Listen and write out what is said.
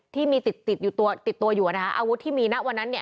ที่มีติดตัวอยู่นะคะอาวุธที่มีหน้าวันนั้นเนี่ย